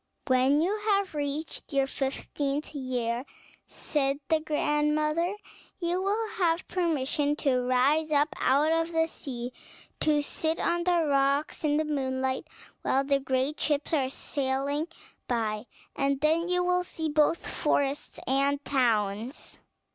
"When you have reached your fifteenth year," said the grand mother, "you will have permission to rise up out of the sea, to sit on the rocks in the moonlight, while the great ships are sailing by; and then you will see both forests and towns."